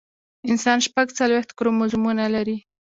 انسان شپږ څلوېښت کروموزومونه لري